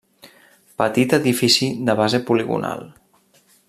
Petit edifici de base poligonal.